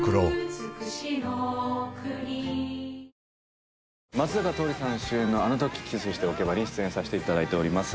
一体「松坂桃李さん主演の『あのときキスしておけば』に出演させて頂いております。